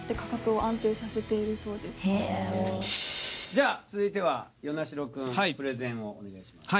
じゃあ続いては與那城君プレゼンをお願いします。